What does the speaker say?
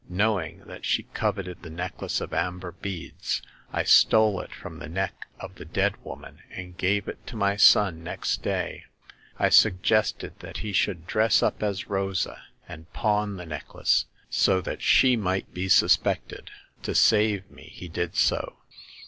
Knowing that she coveted the necklace of amber beads, I stole it from the neck of the dead woman and gave it to my son next day. I suggested that he should dress up as Rosa, and pawn the neck The Second Customer. 85 lace, so that she might be suspected. To save me, he did so.